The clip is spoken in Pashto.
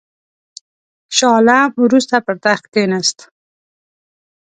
شاه عالم وروسته پر تخت کښېنست.